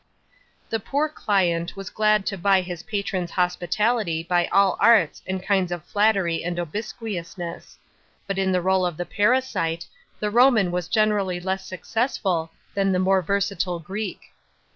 § 6. The p or client was glad to buy his patron's hospitality by all arts and kinds of flattery and obsequiousness; but in the idle of the parasite, the Roman was generally less success ul than the more versatile Greek.